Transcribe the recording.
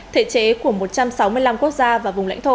thể chế của một trăm sáu mươi năm quốc gia